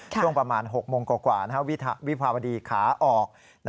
ช่วงประมาณ๖โมงกว่าวิภาวดีขาออก